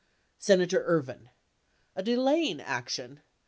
467 Senator Ervin. A delaying action